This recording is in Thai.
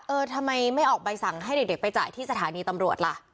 เออทำไมไม่ออกใบสั่งให้เด็กไปจ่ายที่สถานีตำรวจล่ะ